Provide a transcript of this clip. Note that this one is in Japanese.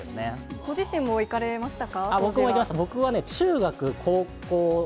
ご自身も行かれましたか？